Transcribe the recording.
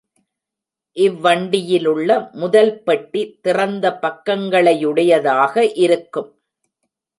இவ்வண்டியிலுள்ள முதல் பெட்டி திறந்த பக்கங்களையுடைய தாக இருக்கும்.